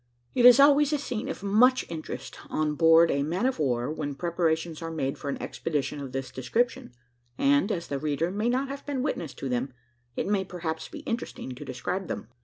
It is always a scene of much interest on board a man of war when preparations are made for an expedition of this description; and as the reader may not have been witness to them, it may perhaps be interesting to describe them.